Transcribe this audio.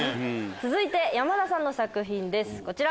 続いて山田さんの作品ですこちら。